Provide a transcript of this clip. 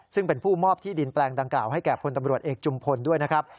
ซึ่งเป็นผู้มอบที่ดินแปลงดังกล่าวให้แก่พลตำรวจเอกจุมพลด้วยนะครับ